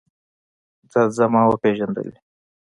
ځه ځه ما وپېژندلې.